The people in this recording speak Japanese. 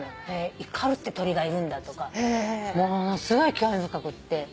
イカルって鳥がいるんだとかものすごい興味深くって。